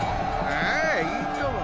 ああいいとも。